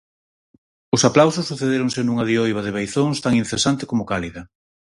Os aplausos sucedéronse nunha dioiva de beizóns tan incesante como cálida.